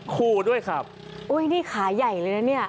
คู่ด้วยครับอุ้ยนี่ขาใหญ่เลยนะเนี่ย